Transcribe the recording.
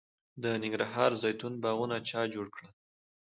د ننګرهار د زیتون باغونه چا جوړ کړل؟